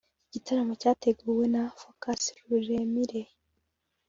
Iki gitaramo cyateguwe na Focus ruremire